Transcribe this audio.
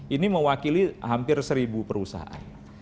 ini mewakili hampir seribu perusahaan